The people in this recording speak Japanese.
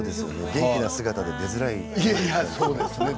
元気な姿で出づらいですよね。